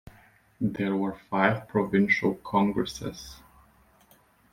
There were five Provincial Congresses.